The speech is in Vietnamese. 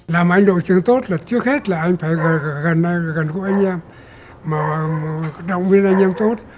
làm anh đội trưởng tốt là trước hết là anh phải gần gũi anh em động viên anh em tốt